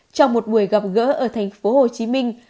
trong một buổi gặp gỡ ở thành phố hồ chí minh